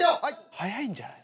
速いんじゃない！？